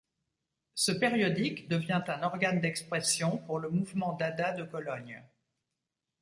Ce périodique devient un organe d'expression pour le mouvement dada de Cologne.